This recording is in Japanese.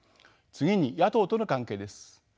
次に野党との関係です。